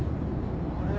あれ？